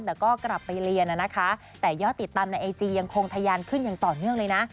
แต่ก็กลับไปเรียนนะคะแต่ยอดติดตามในไอจียังคงทะยานขึ้นอย่างต่อเนื่องเลยนะ